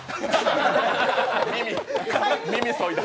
耳そいだ？